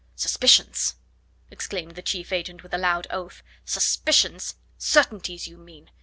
"Suspicions!" exclaimed the chief agent with a loud oath. "Suspicions! Certainties, you mean.